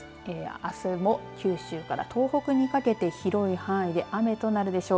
あすも九州から東北にかけて広い範囲で雨となるでしょう。